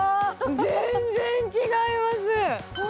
全然違います！